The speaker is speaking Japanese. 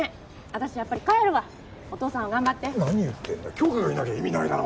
私やっぱり帰るわお父さんは頑張って何言ってんだ